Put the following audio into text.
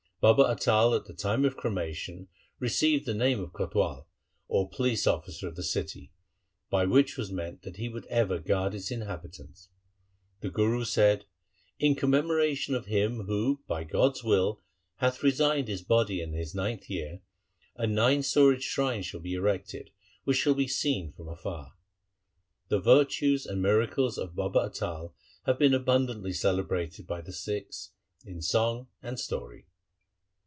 Baba Atal at the time of cremation received the name of Kotwal, or police officer of the city, by which was meant that he would ever guard its inhabitants. The Guru said, ' In commemoration of him who by God's will hath resigned his body in his ninth year, a nine storied shrine shall be erected which shall be seen from afar.' The virtues and miracles of Baba Atal have been abundantly celebrated by the Sikhs in song and story.